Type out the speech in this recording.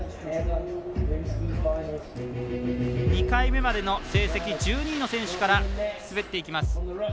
２回目までの成績１２位の選手から滑っていきます。